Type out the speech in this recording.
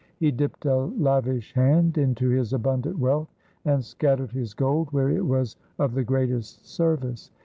He dipped a lavish hand into his abundant wealth and scattered his gold where it was of the greatest service.